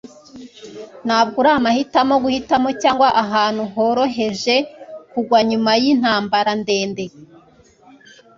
ntabwo uri amahitamo, guhitamo cyangwa ahantu horoheje kugwa nyuma yintambara ndende